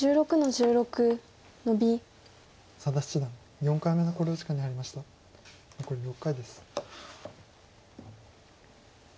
残り６回です。